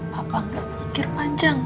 papa gak mikir panjang